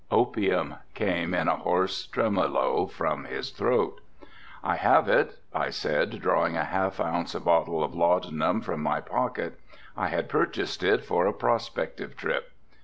"Opium," came in a hoarse tremolo from his throat. "I have it," I said drawing a half ounce bottle of laudanum from my pocket. I had purchased it for a prospective trip.